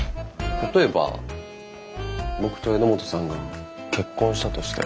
例えば僕と榎本さんが結婚したとして。